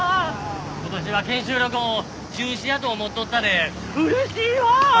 今年は研修旅行中止やと思っとったで嬉しいわ！